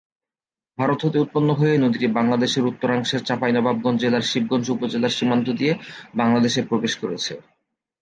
ভারত হতে উৎপন্ন হয়ে নদীটি বাংলাদেশের উত্তরাংশের চাঁপাইনবাবগঞ্জ জেলার শিবগঞ্জ উপজেলার সীমান্ত দিয়ে বাংলাদেশে প্রবেশ করেছে।